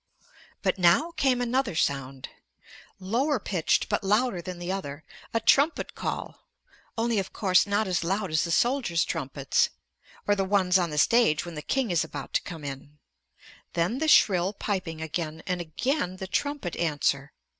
But now came another sound; lower pitched but louder than the other; a trumpet call, only of course not as loud as the soldiers' trumpets or the ones on the stage when the King is about to come in. Then the shrill piping again; and again the trumpet answer.